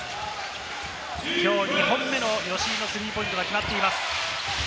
きょう２本目の吉井のスリーポイントが決まっています。